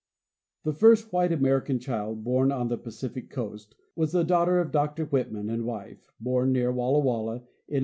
The first white American child born on the Pacific coast was the daughter of Dr Whitman and wife, born near Walla Walla in 1839.